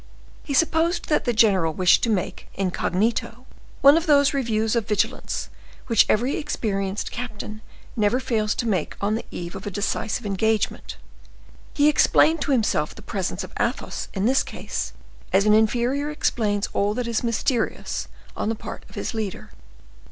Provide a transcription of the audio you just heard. He supposed that the general wished to make, incognito, one of those reviews of vigilance which every experienced captain never fails to make on the eve of a decisive engagement: he explained to himself the presence of Athos in this case as an inferior explains all that is mysterious on the part of his leader.